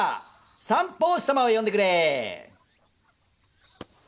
三法師様を呼んでくれ！